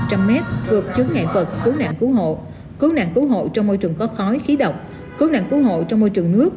thuộc chứng ngại vật cú nạn cú hộ cú nạn cú hộ trong môi trường có khói khí độc cú nạn cú hộ trong môi trường nước